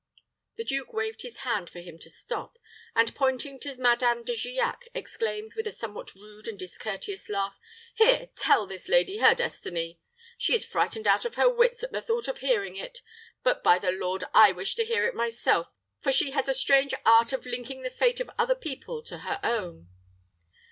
The duke waved his hand for him to stop; and, pointing to Madame De Giac, exclaimed, with a somewhat rude and discourteous laugh, "Here, tell this lady her destiny. She is frightened out of her wits at the thought of hearing it; but, by the Lord, I wish to hear it myself, for she has a strange art of linking the fate of other people to her own."